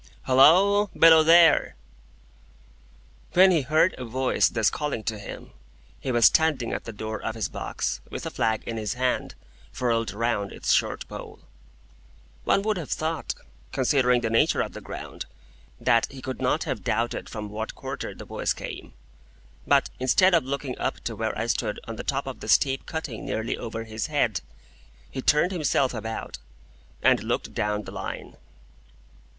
"HALLOA! Below there!" When he heard a voice thus calling to him, he was standing at the door of his box, with a flag in his hand, furled round its short pole. One would have thought, considering the nature of the ground, that he could not have doubted from what quarter the voice came; but instead of looking up to where I stood on the top of the steep cutting nearly over his head, he turned himself about, and looked down the Line.